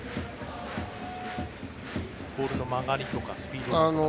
ボールの曲がりとかスピードとか。